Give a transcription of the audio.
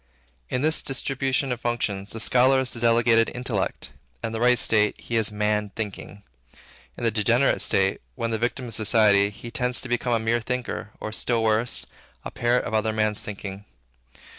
In this distribution of functions, the scholar is the delegated intellect. In the right state, he is, Man Thinking. In the degenerate state, when the victim of society, he tends to become a mere thinker, or, still worse, the parrot of other men's thinking.